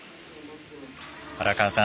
荒川さん